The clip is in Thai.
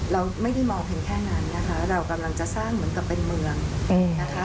เราไม่ได้มองเพียงแค่นั้นนะคะเรากำลังจะสร้างเหมือนกับเป็นเมืองนะคะ